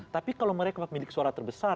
tapi kalau mereka pemilik suara terbesar